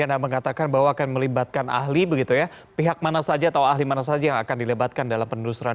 anda mengatakan bahwa akan melibatkan ahli begitu ya pihak mana saja atau ahli mana saja yang akan dilebatkan dalam penelusuran